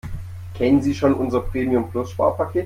Kennen Sie schon unser Premium-Plus-Sparpaket?